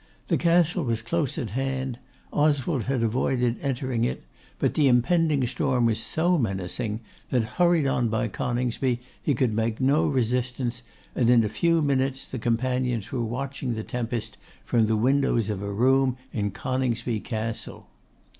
The Castle was close at hand; Oswald had avoided entering it; but the impending storm was so menacing that, hurried on by Coningsby, he could make no resistance; and, in a few minutes, the companions were watching the tempest from the windows of a room in Coningsby Castle.